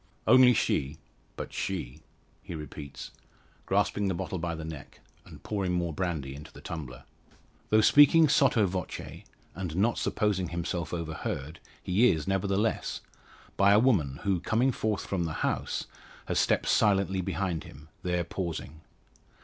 "Only she but she!" he repeats, grasping the bottle by the neck, and pouring more brandy into the tumbler. Though speaking sotto voce, and not supposing himself overheard, he is, nevertheless by a woman, who, coming forth from the house, has stepped silently behind him, there pausing.